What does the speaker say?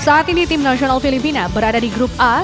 saat ini timnasional filipina berada di grup a